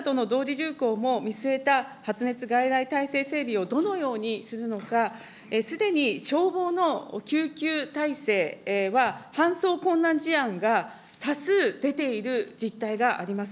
流行も見据えた発熱外来整備をどのようにするのか、すでに消防の救急体制は、搬送困難事案が多数出ている実態があります。